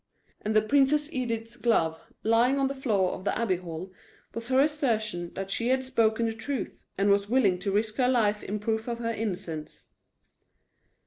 And the Princess Edith's glove lying on the floor of the Abbey hall was her assertion that she had spoken the truth and was willing to risk her life in proof of her innocence.